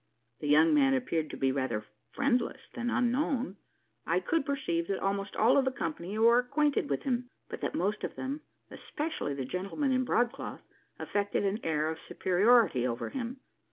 The young man appeared to be be rather friendless, than unknown. I could perceive that almost all of the company were acquainted with him; but that most of them especially the gentlemen in broad cloth affected an air of superiority over him.